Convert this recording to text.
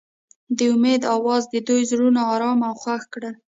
د امید اواز د دوی زړونه ارامه او خوښ کړل.